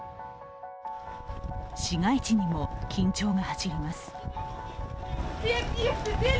市街地にも緊張が走ります。